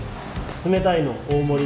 冷たいの大盛りで。